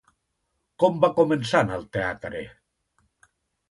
Com va començar en el teatre?